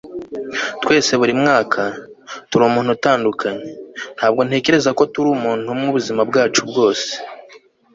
twese buri mwaka, turi umuntu utandukanye. ntabwo ntekereza ko turi umuntu umwe ubuzima bwacu bwose